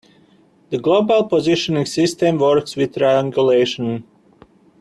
The global positioning system works with triangulation.